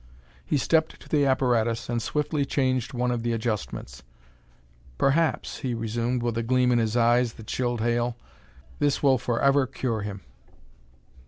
He stepped to the apparatus and swiftly changed one of the adjustments. "Perhaps," he resumed, with a gleam in his eyes that chilled Hale, "this will forever cure him."